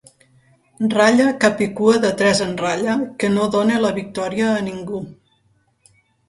Ratlla capicua de tres en ratlla que no dóna la victòria a ningú.